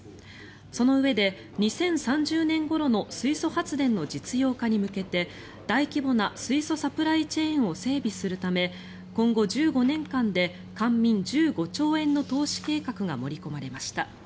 そのうえで２０３０年ごろの水素発電の実用化に向けて大規模な水素サプライチェーンを整備するため今後１５年間で官民１５兆円の投資計画が盛り込まれました。